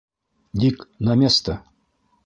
Дик, на место!